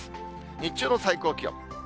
日中の最高気温。